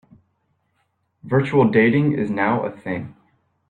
Virtual dating is now a thing.